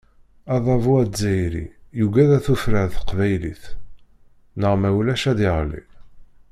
Adabu azzayri yugad ad tufrar teqbaylit, neɣ ma ulac ad yeɣli.